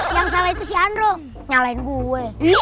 yang salah itu si andro nyalain gue